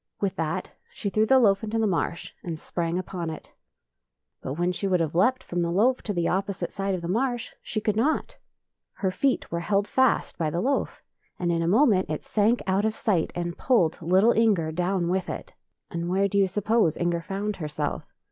With that she threw the loaf into the marsh and sprang upon it. But when she would have leaped from the loaf to the opposite side of the marsh, she could not. Her feet were held fast by the loaf, and in a moment it sank out of sight and pulled little Inger down with it. And where do you suppose Inger found herself?